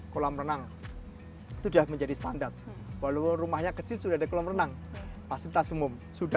kolam renang sudah menjadi standar walaupun rumahnya kecil sudah ada kolam renang fasilitas umum sudah